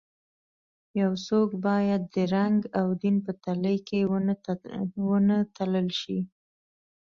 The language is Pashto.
یو څوک باید د رنګ او دین په تلې کې ونه تلل شي.